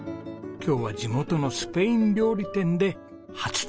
今日は地元のスペイン料理店で初体験です。